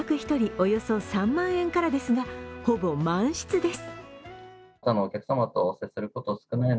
およそ３万円からですが、ほぼ満室です。